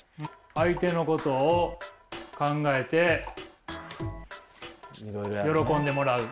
相手のことを考えて喜んでもらう。